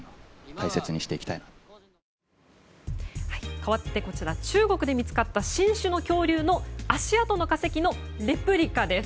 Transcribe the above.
かわって、中国で見つかった新種の恐竜の足跡の化石のレプリカです。